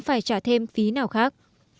phải trả thêm phí nào khác